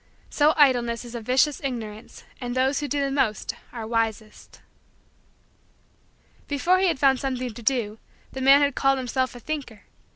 So idleness is a vicious ignorance and those who do the most are wisest. Before he had found something to do the man had called himself a thinker.